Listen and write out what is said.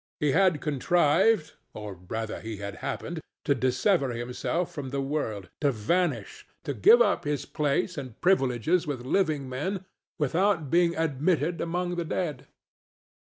He had contrived—or, rather, he had happened—to dissever himself from the world, to vanish, to give up his place and privileges with living men without being admitted among the dead.